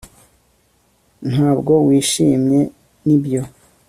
Ntabwo wishimye nibyo